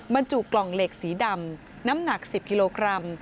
บรรจุกล่องเหล็กสีดำน้ำหนัก๑๐กิโลกรัม